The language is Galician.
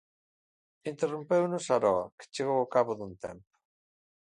Interrompeunos Aroa, que chegou ao cabo dun tempo.